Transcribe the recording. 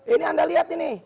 ini anda lihat ini